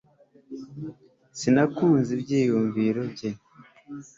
sinakunze ibyiyumvo bye